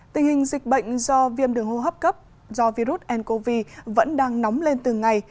tình hình dịch bệnh do viêm đường hô hấp cấp do virus ncov vẫn đang nóng lên từng ngày